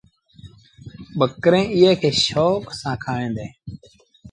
ٻڪريݩ ايئي کي شوڪ سآݩ کائيٚݩ ديٚݩ۔